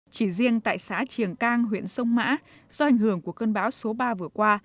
chỉ riêng tại xã triềng cang huyện sông mã do ảnh hưởng của cơn bão số ba vừa qua